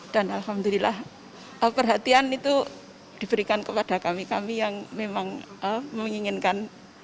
dan alhamdulillah perhatian itu diberikan kepada kami kami yang memang menginginkan